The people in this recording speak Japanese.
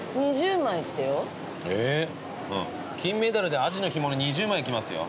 金メダルでアジの干物２０枚きますよ。